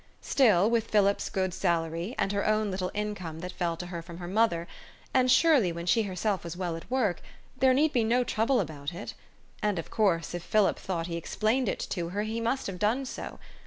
Still, with Philip's good salary, and her own little income that fell to her from her mother, and surely when she herself was well at work, there need be no trouble about it. And, of course, if Philip thought he explained it to her, he must have done so.